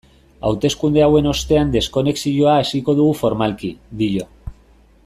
Hauteskunde hauen ostean deskonexioa hasiko dugu formalki, dio.